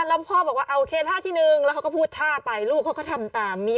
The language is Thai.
แล้วพ่อบอกว่าโอเคท่าที่หนึ่งแล้วเขาก็พูดท่าไปลูกเขาก็ทำตามนี้